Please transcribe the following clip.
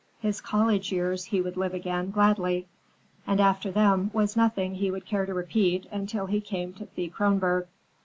His college years he would live again, gladly. After them there was nothing he would care to repeat until he came to Thea Kronborg.